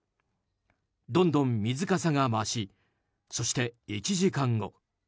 どんどん水かさが増しそして１時間後。